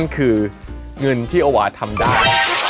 คือเงินที่โอวาทำได้